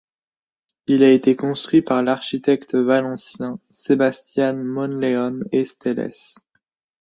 Il a été construit par l'architecte valencien Sebastián Monleón Estellés.